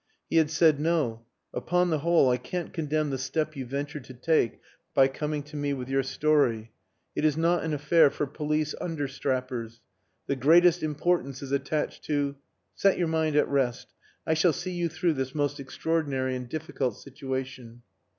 He had said, "No. Upon the whole I can't condemn the step you ventured to take by coming to me with your story. It is not an affair for police understrappers. The greatest importance is attached to.... Set your mind at rest. I shall see you through this most extraordinary and difficult situation."